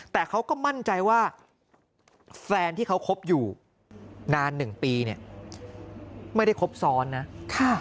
แต่เขาก็มั่นใจว่าแฟนที่เขาคบอยู่นานหนึ่งปีเนี่ยไม่ได้ครบซ้อนนะ